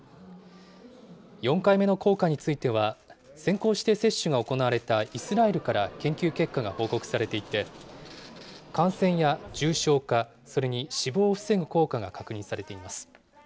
４回目の効果については、先行して接種が行われたイスラエルから研究結果が報告されていて、感染や重症化、それに死亡を防ぐ効果が確認されています。